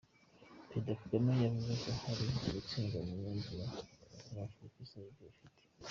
Perezida Kagame yavuze ko ari ugutsindwa mu myumvire kuba Afurika isaba ibyo ifite.